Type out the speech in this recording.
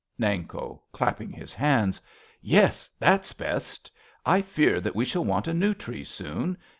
Nanko {clapping his hands). Yes, that's best. I fear that we shall want a new tree, soon.